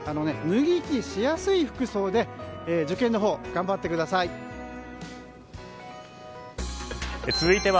脱ぎ着しやすい服装で受験のほう頑張ってください。